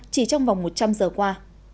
chỉ trong vòng một trăm linh giờ qua